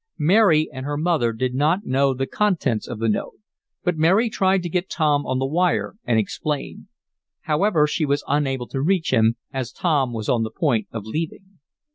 Mary and her mother did not know the contents of the note, but Mary tried to get Tom on the wire and explain. However, she was unable to reach him, as Tom was on the point of leaving.